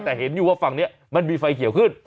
แต่เห็นอยู่ว่าฝั่งนี้มันมีไฟเขียวขึ้น